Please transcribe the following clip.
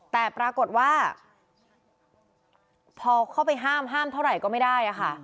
แต่ปรากฏว่าพอเข้าไปห้ามห้ามเท่าไหร่ก็ไม่ได้ค่ะ